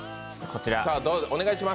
こちら。